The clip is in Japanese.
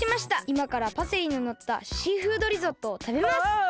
いまからパセリののったシーフードリゾットをたべます！